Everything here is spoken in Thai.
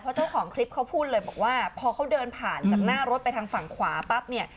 เจ้าของคลิปเขาพูดเลยบอกว่าพอเขาเดินผ่านจากหน้ารถไปทางฝั่งขวาปั๊บเนี่ย